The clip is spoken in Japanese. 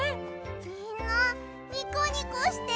みんなニコニコしてる。